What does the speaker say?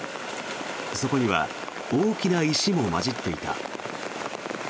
そこには大きな石も交じっていた。